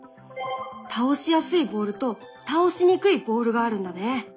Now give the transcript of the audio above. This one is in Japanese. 倒しやすいボールと倒しにくいボールがあるんだね。